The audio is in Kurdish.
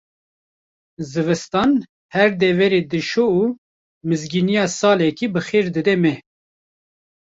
Zivistan her deverê dişo û mizgîniya saleke bixêr dide me.